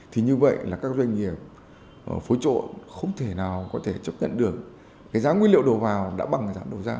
thì như vậy là các doanh nghiệp phối trộn không thể nào có thể chấp nhận được giá nguyên liệu đổ vào đã bằng giá đổ ra